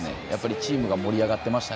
チームが盛り上がってました